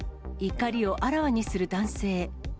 怒りをあらわにする男性。